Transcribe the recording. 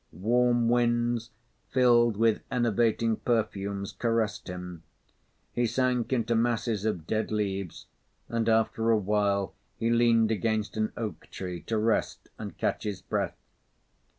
Warm winds, filled with enervating perfumes, caressed him; he sank into masses of dead leaves, and after a while he leaned against an oak tree to rest and catch his breath.